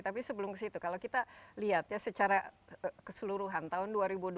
tapi sebelum ke situ kalau kita lihat ya secara keseluruhan tahun dua ribu dua puluh